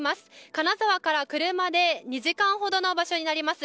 金沢から車で２時間ほどの場所になります。